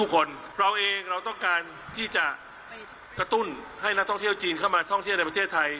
กระตุ้นให้นักท่องเที่ยวจีนเข้ามาท่องเที่ยวในประเทศไทย